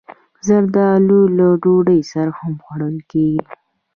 زردالو له ډوډۍ سره هم خوړل کېږي.